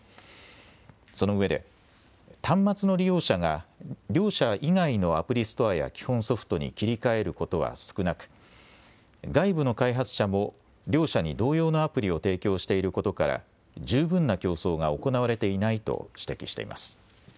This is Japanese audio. そのうえで端末の利用者が両社以外のアプリストアや基本ソフトに切り替えることは少なく外部の開発者も両社に同様のアプリを提供していることから十分な競争が行われていないと指摘しています。